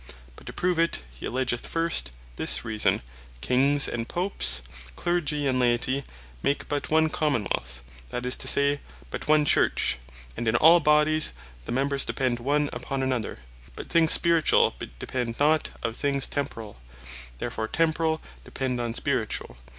But to prove it, he alledgeth first, this reason, "Kings and Popes, Clergy and Laity make but one Common wealth; that is to say, but one Church: And in all Bodies the Members depend one upon another: But things Spirituall depend not of things Temporall: Therefore, Temporall depend on Spirituall.